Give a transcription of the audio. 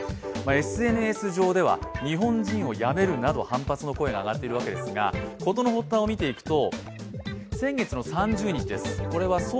ＳＮＳ上では日本人をやめるなど反発の声が上がっているわけですが、事の発端を見ていきます。